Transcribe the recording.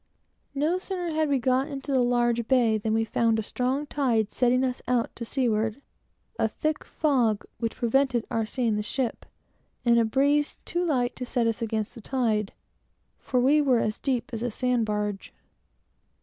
No sooner had we got into the large bay, than we found a strong tide setting us out to seaward, a thick fog which prevented our seeing the ship, and a breeze too light to set us against the tide; for we were as deep as a sand barge.